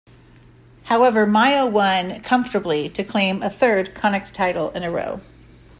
However Mayo won comfortably to claim a third Connacht title in a row.